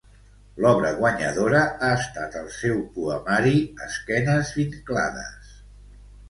L'obra guanyadora ha estat el seu poemari "Esquenes vinclades".